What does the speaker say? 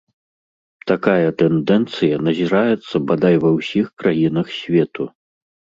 Такая тэндэнцыя назіраецца бадай ва ўсіх краінах свету.